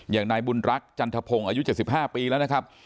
อย่างนายบุนรักษ์จันทพงศ์อายุเจ็ดสิบห้าปีแล้วนะครับ